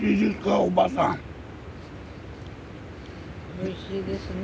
おいしいですね。